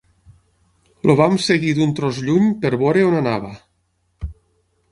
El vam seguir d'un tros lluny per veure on anava.